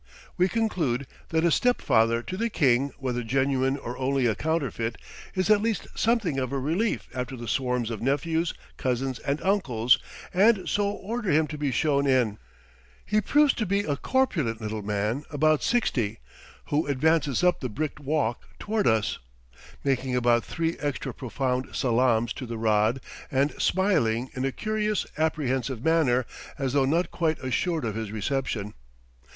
We conclude that a step father to the king, whether genuine or only a counterfeit, is at least something of a relief after the swarms of nephews, cousins, and uncles, and so order him to be shown in He proves to be a corpulent little man about sixty, who advances up the bricked walk toward us, making about three extra profound salaams to the rod and smiling in a curious, apprehensive manner, as though not quite assured of his reception.